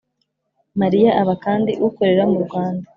Mariya aba kandi ukorera mu Rwanda